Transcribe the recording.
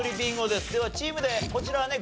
ではチームでこちらはね